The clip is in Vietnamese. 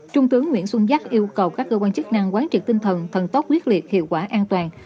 trung tướng nguyễn xuân giáp yêu cầu các cơ quan chức năng quán triệt tinh thần thần tốc quyết liệt hiệu quả an toàn